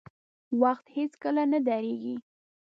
• وخت هیڅکله نه درېږي.